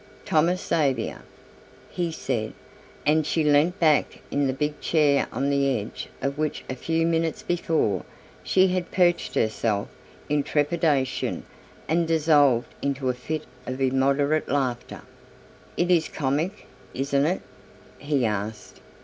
"Thomas Xavier," he said, and she leant back in the big chair on the edge of which a few minutes before she had perched herself in trepidation and dissolved into a fit of immoderate laughter. "It is comic, isn't it?" he asked.